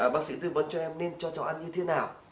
bác sĩ tư vấn cho em nên cho cháu ăn như thế nào